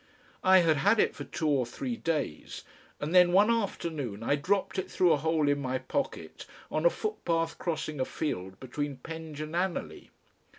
I had had it for two or three days, and then one afternoon I dropped it through a hole in my pocket on a footpath crossing a field between Penge and Anerley.